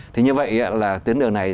thì như vậy là tuyến đường này